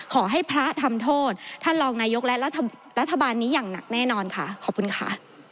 ขอให้พระทำโทษท่านรองนายกและรัฐบาลนี้อย่างหนักแน่นอนค่ะขอบคุณค่ะ